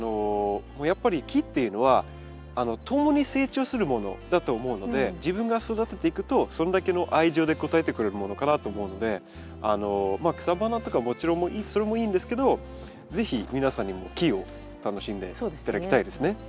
やっぱり木っていうのは共に成長するものだと思うので自分が育てていくとそれだけの愛情で応えてくれるものかなと思うのでまあ草花とかもちろんそれもいいんですけど是非皆さんにも木を楽しんで頂きたいですね。